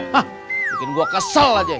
hah bikin gue kesal aja